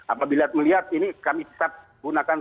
apabila melihat ini kami tetap gunakan